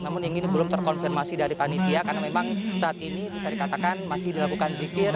namun yang ini belum terkonfirmasi dari panitia karena memang saat ini bisa dikatakan masih dilakukan zikir